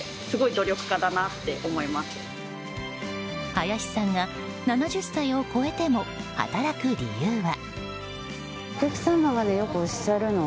林さんが７０歳を超えても働く理由は？